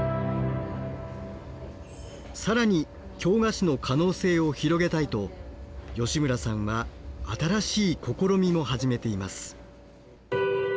更に京菓子の可能性を広げたいと吉村さんは新しい試みも始めています。